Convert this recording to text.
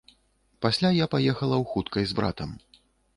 Пасля я паехала ў хуткай з братам.